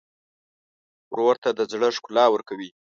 ورور ته د زړه ښکلا ورکوې.